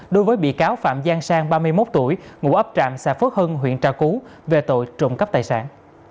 đối với bị cáo phạm giang sang ba mươi một tuổi ngụ ấp trạm xã phước hưng huyện trà cú về tội trộm cắp tài sản